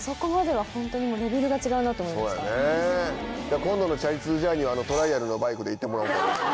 今度のチャリ通ジャーニーはあのトライアルのバイクで行ってもらおうかな。